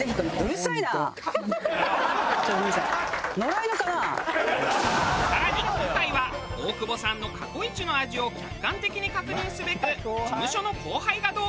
更に今回は大久保さんの過去イチの味を客観的に確認すべく事務所の後輩が同行。